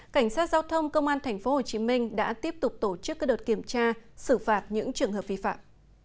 cảnh sát giao thông công an tp hcm đã tiếp tục tổ chức các đợt kiểm tra xử phạt những trường hợp vi phạm